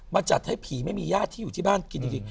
จัดให้ผีไม่มีญาติที่อยู่ที่บ้านกินจริง